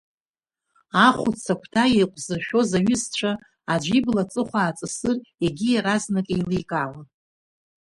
Ахәыц агәҭа еиҟәзыршәоз аҩызцәа, аӡәы ибла аҵыхәа ааҵысыр, егьи иаразнак иеиликаауан.